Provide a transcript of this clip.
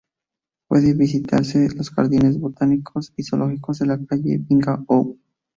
Pueden visitarse los jardines botánico y zoológico de la calle Ben Ga’on.